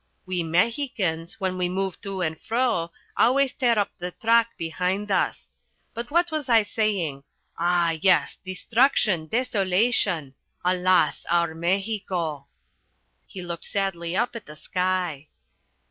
"We Mexicans, when we move to and fro, always tear up the track behind us. But what was I saying? Ah, yes destruction, desolation, alas, our Mexico!" He looked sadly up at the sky.